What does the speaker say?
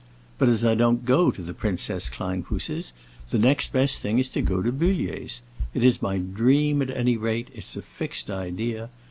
But as I don't go to the Princess Kleinfuss's, the next best thing is to go to Bullier's. It is my dream, at any rate, it's a fixed idea.